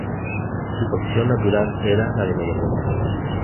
Su posición natural era la de mediapunta.